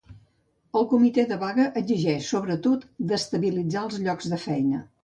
El comitè de vaga exigeix, sobretot, d’estabilitzar els llocs de feina.